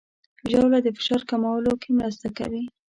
ژاوله د فشار کمولو کې مرسته کوي.